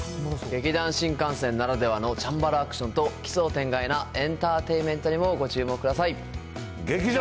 劇団新感線ならではのチャンバラアクションと、奇想天外なエンターテインメントにもご注目ください。